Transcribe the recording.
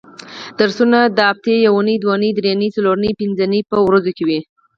درسونه د اونۍ یونۍ دونۍ درېنۍ څلورنۍ پبنځنۍ په ورځو کې وي